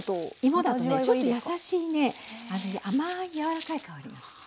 芋だとねちょっと優しい甘い柔らかい香りがするの。